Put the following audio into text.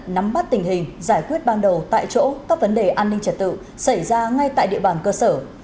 nắm bắt tình hình giải quyết ban đầu tại chỗ các vấn đề an ninh trật tự xảy ra ngay tại địa bàn cơ sở